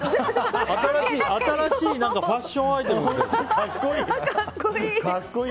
新しいファッションアイテムみたい。